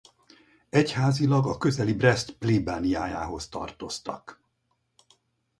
Egyházilag a közeli Brest plébániájához tartoztak.